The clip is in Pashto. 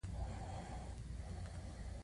دا د کانټ د عقل له حکم سره سم دی.